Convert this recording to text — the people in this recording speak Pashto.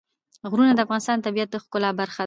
غرونه د افغانستان د طبیعت د ښکلا برخه ده.